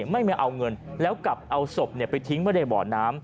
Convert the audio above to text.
ไม่มาเอาเงินแล้วกลับเอาศพไปทิ้งไว้ในบ่อน้ำ